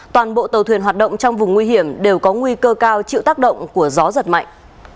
toàn bộ tàu thuyền hoạt động trong vùng nguy hiểm đều có nguy cơ cao chịu tác động của gió giật mạnh